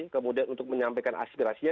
kemudian untuk menyampaikan aspirasinya